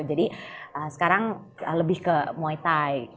jadi sekarang lebih ke muay thai